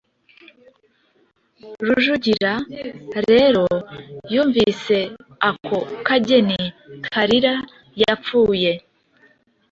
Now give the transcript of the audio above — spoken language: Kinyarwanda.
Rujugira rero yumvise ako kageni Kalira yapfuye